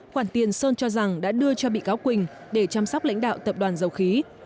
khoản tiền sơn cho rằng đã đưa cho bị cáo quỳnh để chăm sóc lãnh đạo tập đoàn dầu khí